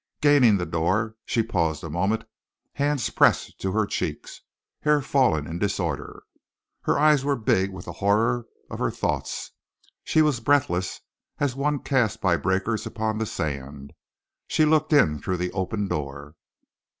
Gaining the door, she paused a moment, hands pressed to her cheeks, hair fallen in disorder. Her eyes were big with the horror of her thoughts; she was breathless as one cast by breakers upon the sand. She looked in through the open door.